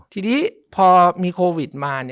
ทีนี้พอมีโควิดมา